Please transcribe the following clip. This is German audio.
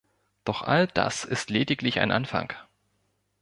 Doch all das ist lediglich ein Anfang.